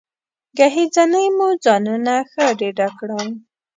ګهیځنۍ مو ځانونه ښه ډېډه کړل.